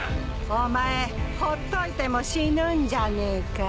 お前ほっといても死ぬんじゃねえか？